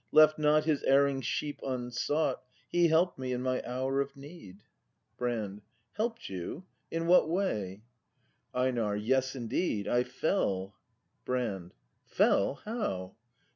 Left not His erring sheep unsought, He help'd me in my hour of need. Brand. Help'd you — in what way ? ACT V] BRAND 249 EiNAR. Yes, indeed: — I fell. Brand. Fell? How?